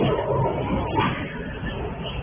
เกี่ยวกันกับคอนเตอร์